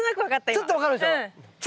ちょっと分かるでしょ？